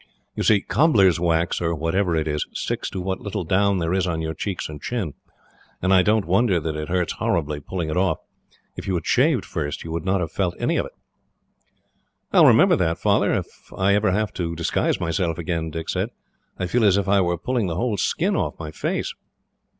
"You see, cobbler's wax, or whatever it is, sticks to what little down there is on your cheeks and chin, and I don't wonder that it hurts horribly, pulling it off. If you had shaved first, you would not have felt any of that." "I will remember that, Father, if I ever have to disguise myself again," Dick said. "I feel as if I were pulling the whole skin off my face."